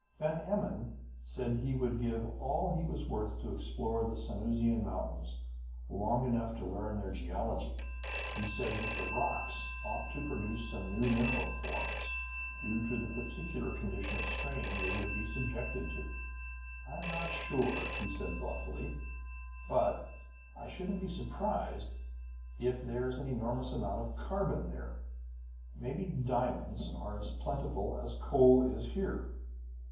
Van Emmon said he would give all he was worth to explore the Sanusian mountains long enough to learn their geology. He said that the rocks ought to produce some new mineral forms, due to the peculiar condition of strain they would be subjected to. "I'm not sure," said he thoughtfully, "but I shouldn't be surprised if there's an enormous amount of carbon there. Maybe diamonds are as plentiful as coal is here."